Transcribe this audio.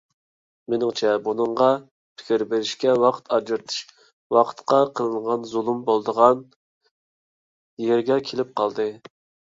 مېنىڭچە، بۇنىڭغا پىكىر بېرىشكە ۋاقىت ئاجرىتىش ۋاقىتقا قىلىنغان زۇلۇم بولىدىغان يېرىگە كېلىپ قالدى.